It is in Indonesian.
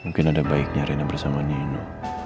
mungkin ada baiknya rena bersama neno